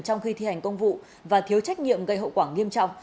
trong khi thi hành công vụ và thiếu trách nhiệm gây hậu quả nghiêm trọng